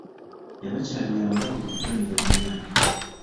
Yabakyaliranga bulijjo ne banyumya.